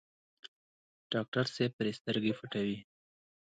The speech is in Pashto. ډاکټر صاحب پرې سترګې پټوي.